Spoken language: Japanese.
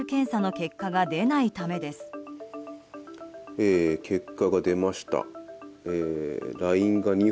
結果が出ました。